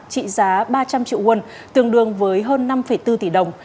trị giá ba trăm linh triệu won tương đương với hơn năm bốn tỷ đồng